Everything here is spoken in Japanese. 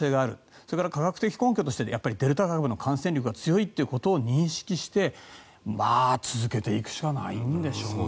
それから科学的根拠としてデルタ株の感染力が強いということを認識して続けていくしかないんでしょう。